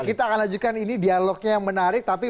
kita akan lanjutkan ini dialognya yang menarik tapi